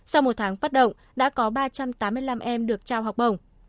sau một tháng phát động đã có ba trăm tám mươi năm em được trao học bổng